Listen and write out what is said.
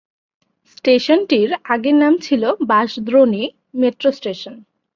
স্টেশনটির আগেকার নাম ছিল বাঁশদ্রোণী মেট্রো স্টেশন।